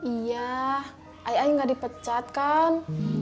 iya ayahnya gak dipecat kan